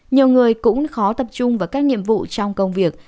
nhiều người cũng khó tập trung vào các nhiệm vụ trong công việc